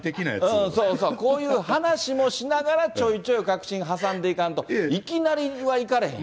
こういう話もしながら、ちょいちょい核心挟んでいかんと、いきなりはいかれへん。